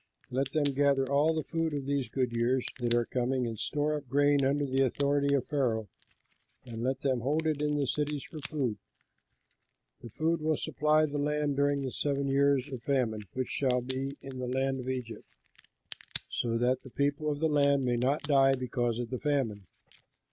Let them gather all the food of these good years that are coming and store up grain under the authority of Pharaoh, and let them hold it in the cities for food. The food will supply the land during the seven years of famine which shall be in the land of Egypt, so that the people of the land may not die because of the famine."